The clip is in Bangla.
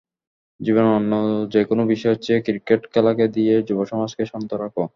জীবনের অন্য যেকোনো বিষয়ের চেয়ে ক্রিকেট খেলাকে দিয়ে যুবসমাজকে শান্ত রাখা।